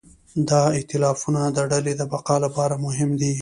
دا ایتلافونه د ډلې د بقا لپاره مهم دي.